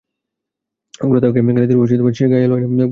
গোরা তাহাকে গালি দিলেও সে গায়ে লয় না, বরঞ্চ খুশি হয়।